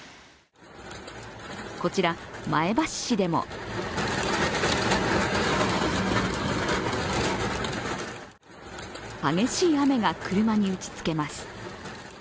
こちら、前橋市でも激しい雨が車に打ちつけます。